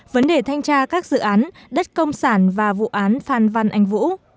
vấn đề thanh tra các dự án đất công sản và vụ án phan văn anh vũ